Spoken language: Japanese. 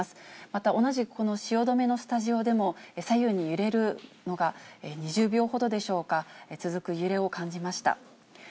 また同じくこの汐留のスタジオでも、左右に揺れるのが２０秒ほどでしょうか、続く揺れを感じました。